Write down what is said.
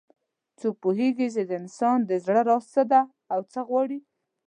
څوک پوهیږي چې د انسان د زړه راز څه ده او څه غواړي